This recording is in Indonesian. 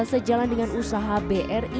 sejalan dengan usaha bri